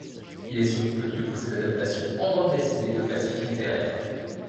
Il est surtout connu pour ses adaptations en bande dessinée de classiques littéraires.